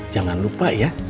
jangan lupa ya